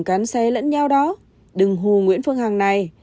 chắn xé lẫn nhau đó đừng hù nguyễn phương hằng này